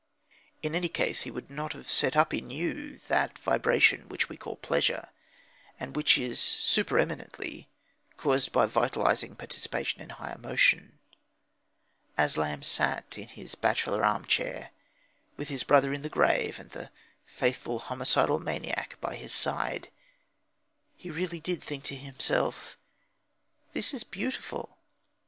In any case, he would not have set up in you that vibration which we call pleasure, and which is super eminently caused by vitalising participation in high emotion. As Lamb sat in his bachelor arm chair, with his brother in the grave, and the faithful homicidal maniac by his side, he really did think to himself, "This is beautiful.